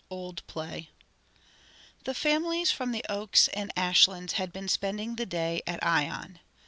OLD PLAY The families from the Oaks and Ashlands had been spending the day at Ion.